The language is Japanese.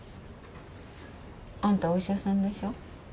あんたお医者さんでしょ。